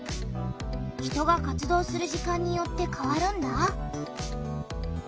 人が活動する時間によってかわるんだ。